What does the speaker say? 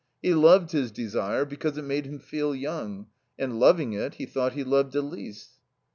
He loved his desire because it made him feel young, and, loving it, he thought he loved Elise.